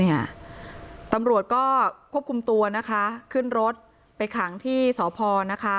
เนี่ยตำรวจก็ควบคุมตัวนะคะขึ้นรถไปขังที่สพนะคะ